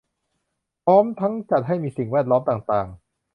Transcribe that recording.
พร้อมทั้งจัดให้มีสิ่งแวดล้อมต่างต่าง